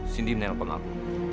cindy menelpon aku